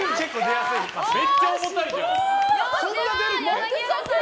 めっちゃ重たいじゃん。